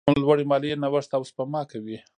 لوړې مالیې نوښت او سپما کموي.